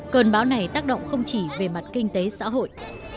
cơn bão này tác động không chỉ về mặt kinh tế xã hội